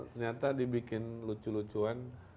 ternyata dibikin lucu lucuan